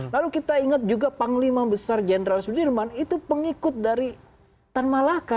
lalu kita ingat juga panglima besar jenderal sudirman itu pengikut dari tan malaka